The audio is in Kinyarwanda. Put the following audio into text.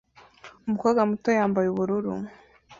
Umukobwa muto yambaye ubururu